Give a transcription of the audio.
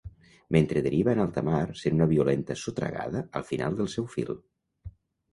Mentre deriva en alta mar, sent una violenta sotragada al final del seu fil.